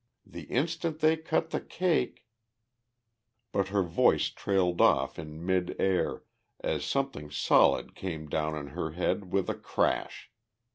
The instant they cut the cake " But her voice trailed off in midair as something solid came down on her head with a crash.